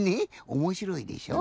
おもしろいでしょ？